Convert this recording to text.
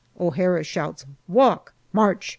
O'Hara shouts "Walk march!"